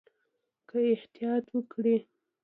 که احتیاط وکړئ